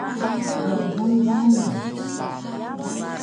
Mgay bari